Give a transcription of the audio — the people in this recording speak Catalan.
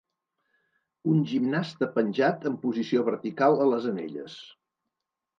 Un gimnasta penjat en posició vertical a les anelles.